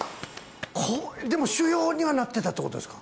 怖っでも腫瘍にはなってたってことですか？